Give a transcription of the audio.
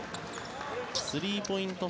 スリーポイント